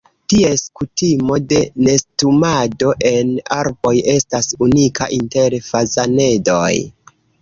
Ties kutimo de nestumado en arboj estas unika inter fazanedoj.